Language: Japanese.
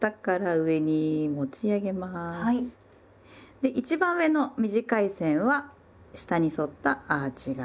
で一番上の短い線は下に反ったアーチ型。